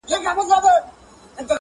یوه ځوان وو په خپل کور کي سپی ساتلی -